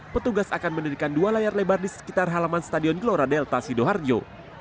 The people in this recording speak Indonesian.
petugas akan menirikan dua layar lebar di sekitar halaman stadion gelora delta sidor harjo